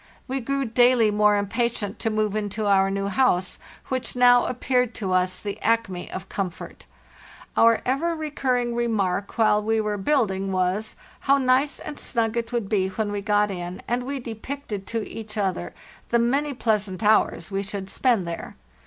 We grew daily more impatient to move into our new house, which now appeared to us the acme of comfort. Our ever recurring remark while we were building was, how nice and snug it would be when we got in, and we depicted to each other the many pleasant hours we should spend there.